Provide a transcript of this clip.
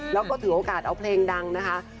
แล้วก็ถือโอกาสเอาเพลงดังนะคะ